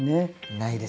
ないです。